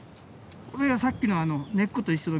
これがさっきの根っこと一緒の。